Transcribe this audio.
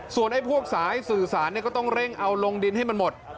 ส่วนไอ้พวกสายสื่อสารก็ต้องเร่งเอาลงดินให้มันหมด